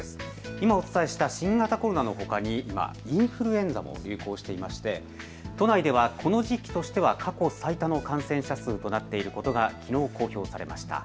今お伝えした新型コロナのほかに今インフルエンザも流行していまして都内ではこの時期としては過去最多の感染者数となっていることがきのう公表されました。